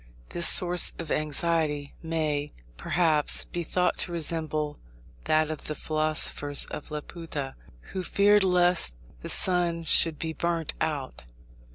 This source of anxiety may, perhaps, be thought to resemble that of the philosophers of Laputa, who feared lest the sun should be burnt out.